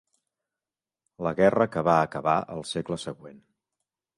La guerra que va acabar al segle següent.